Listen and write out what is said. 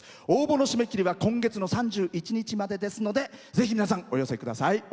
応募の締め切りは今月の３１日までですのでぜひ、皆さん、お寄せください。